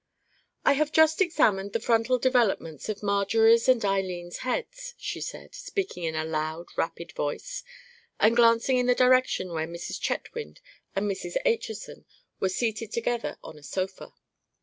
"I have just examined the frontal developments of Marjorie's and Eileen's heads," she said, speaking in a loud, rapid voice, and glancing in the direction where Mrs. Chetwynd and Mrs. Acheson were seated together on a sofa.